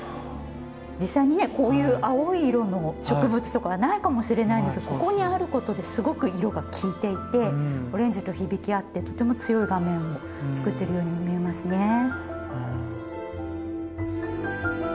実際にねこういう青い色の植物とかはないかもしれないんですがここにあることですごく色が効いていてオレンジと響き合ってとても強い画面を作っているように見えますね。